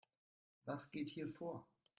Was geht hier vor?